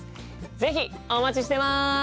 是非お待ちしてます！